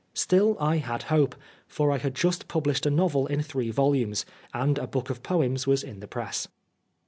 Still I had hope, for I had just published a novel in three volumes, and a book of poems was in the press.